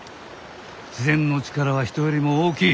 自然の力は人よりも大きい。